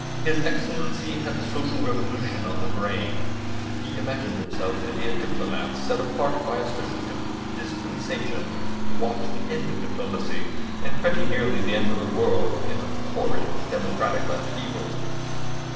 His Excellency had the social revolution on the brain. He imagined himself to be a diplomatist set apart by a special dispensation to watch the end of diplomacy, and pretty nearly the end of the world, in a horrid democratic upheaval.